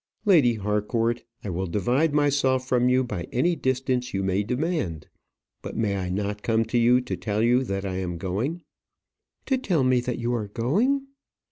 "Lady Harcourt, I will divide myself from you by any distance you may demand. But may I not come to you to tell you that I am going?" "To tell me that you are going!"